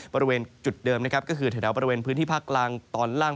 บริเวณจุดเดิมนะครับก็คือแถวบริเวณพื้นที่ภาคกลางตอนล่าง